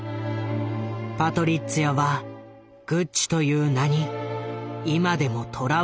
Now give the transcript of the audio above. パトリッツィアはグッチという名に今でもとらわれ続けていた。